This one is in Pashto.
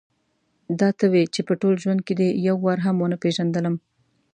دا ته وې چې په ټول ژوند کې دې یو وار هم ونه پېژندلم.